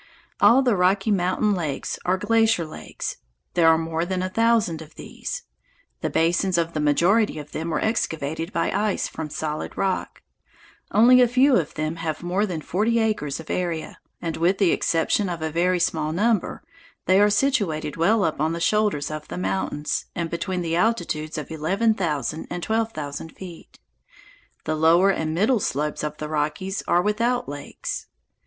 All the Rocky Mountain lakes are glacier lakes. There are more than a thousand of these. The basins of the majority of them were excavated by ice from solid rock. Only a few of them have more than forty acres of area, and, with the exception of a very small number, they are situated well up on the shoulders of the mountains and between the altitudes of eleven thousand and twelve thousand feet. The lower and middle slopes of the Rockies are without lakes.